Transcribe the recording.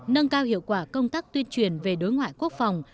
nâng cao hiệu quả công tác tuyên truyền về đối ngoại quốc phòng